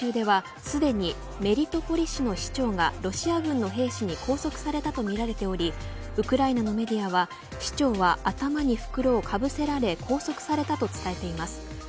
ザポリージャ州ではすでにメリトポリ市の市長がロシア軍の兵士に拘束されたとみられておりウクライナのメディアは市長は頭に袋をかぶせられ拘束されたと伝えています。